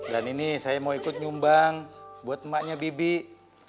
dan ini saya mau ikut nyumbang buat emaknya bibik